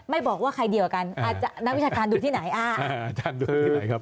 ไม่บอกว่าใครดีกว่ากันนักวิชาการดูที่ไหน